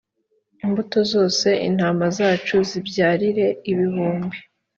imbuto zose intama zacu zibyarire ibihumbi